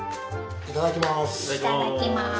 いただきます。